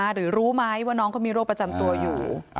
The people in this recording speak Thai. หรือรู้ไหมว่าน้องเขามีโรคประจำตัวอยู่